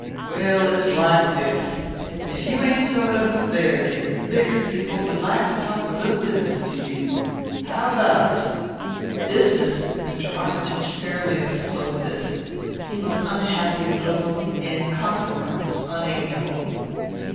Well, it's like this, if you ain't sewed up with Baird yet, the Bigart people would like to talk a little business to you. How about it?" "Business?" Mr. Armytage fairly exploded this. He was unhappy and puzzled; in consequence, unamiable.